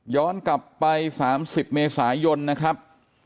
กลับไป๓๐เมษายนนะครับ